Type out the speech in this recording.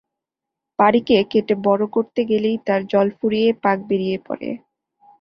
পাড়িকে কেটে বড়ো করতে গেলেই তার জল ফুরিয়ে পাঁক বেরিয়ে পড়ে।